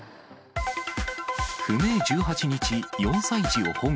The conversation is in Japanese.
不明１８日、４歳児を保護。